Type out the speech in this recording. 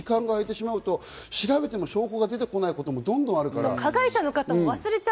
時間が空いてしまうと調べても証拠が出てこないこともどんどんあるから。